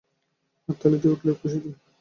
হাততালি দিয়ে উঠলে খুশিতে।